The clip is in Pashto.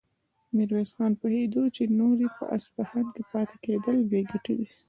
ميرويس خان پوهېده چې نور يې په اصفهان کې پاتې کېدل بې ګټې دي.